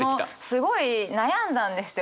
すごい悩んだんですよ！